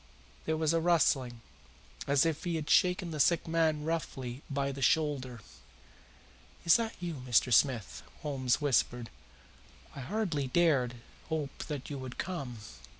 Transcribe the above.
There was a rustling, as if he had shaken the sick man roughly by the shoulder. "Is that you, Mr. Smith?" Holmes whispered. "I hardly dared hope that you would come."